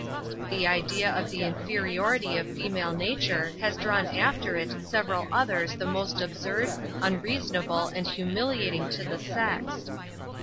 The idea of the inferiority of female nature has drawn after it several others the most absurd, unreasonable, and humiliating to the sex.